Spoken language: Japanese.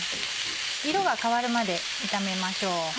色が変わるまで炒めましょう。